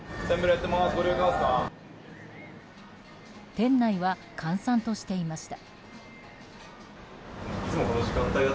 店内は閑散としていました。